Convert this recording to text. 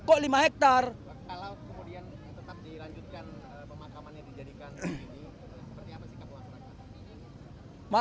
kalau kemudian tetap dilanjutkan pemakaman yang dijadikan seperti apa sikap wakil